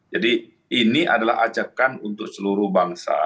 jadi ini adalah ajakan untuk seluruh bangsa